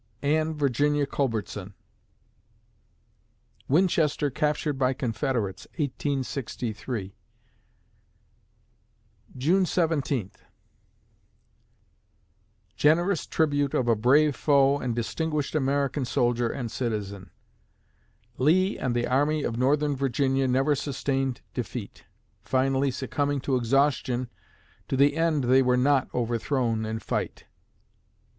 ANNE VIRGINIA CULBERTSON Winchester captured by Confederates, 1863 June Seventeenth GENEROUS TRIBUTE OF A BRAVE FOE AND DISTINGUISHED AMERICAN SOLDIER AND CITIZEN Lee and the Army of Northern Virginia never sustained defeat. Finally succumbing to exhaustion, to the end they were not overthrown in fight.